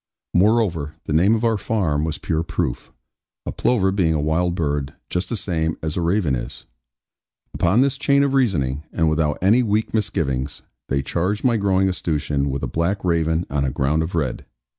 Moreover, the name of our farm was pure proof; a plover being a wild bird, just the same as a raven is. Upon this chain of reasoning, and without any weak misgivings, they charged my growing escutcheon with a black raven on a ground of red.